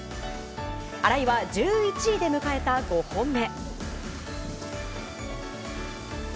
荒井は１１位で迎えた５本目。